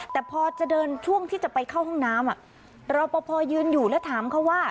แต่พอจะเดินช่วงที่จะไปเข้าห้องน้ำรอปภยืนอยู่แล้วถามเขาว่า